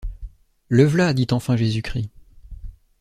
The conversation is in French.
Le v’là, dit enfin Jésus-Christ.